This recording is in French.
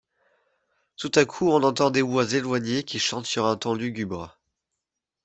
Tout à coup on entend des voix éloignées qui chantent sur un ton lugubre.